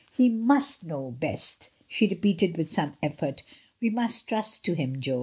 He must know best," she repeated with some effort; "we must trust to him, Jo."